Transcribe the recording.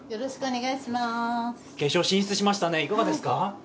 決勝進出しましたね、いかがですか？